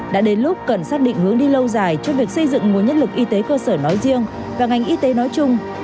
đã đến lúc cần xác định hướng đi lâu dài cho việc xây dựng nguồn nhân lực y tế cơ sở nói riêng và ngành y tế nói chung